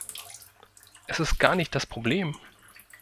Das ist gar nicht das Problem.